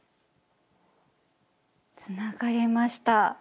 つながりました。